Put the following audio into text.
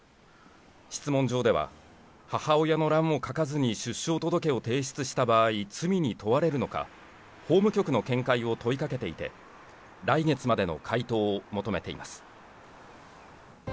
質問状では母親の欄を書かずに出生届を提出した場合、罪に問われるのか法務局の見解を問いかけていて、来月までの回答を求めています。